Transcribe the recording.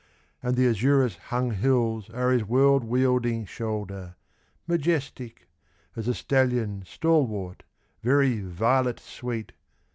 And the azurous hung hills are his world wielding shoulder Majestic as a stallion stalwart, very violet sweet!